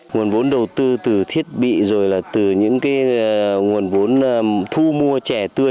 nguồn vốn đầu tư từ thiết bị rồi là từ những nguồn vốn thu mua trẻ tươi